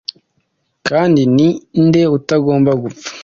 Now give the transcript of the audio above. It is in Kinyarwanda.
kandi ni nde utagomba gupfa